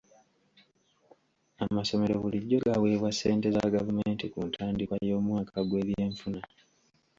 Amasomero bulijjo gaweebwa ssente za gavumenti ku ntandikwa y'omwaka gw'ebyenfuna.